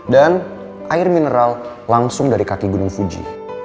dan air mineral langsung dari kaki gunung fuji